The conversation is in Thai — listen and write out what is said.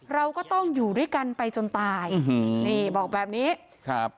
เราก็ต้องอยู่ด้วยกันไปจนตายอืมนี่บอกแบบนี้ครับ